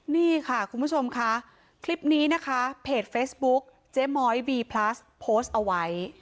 นี่ค่ะคุณผู้ชมค่ะคลิปนี้นะคะเพจเฟซบุ๊กเจ๊ม้อยบีพลัสโพสต์เอาไว้